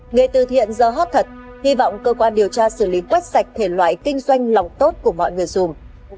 nghe từ thiện giờ hót thật hy vọng cơ quan điều tra xử lý quét sạch thể loại kinh doanh lòng tốt của mọi người dùm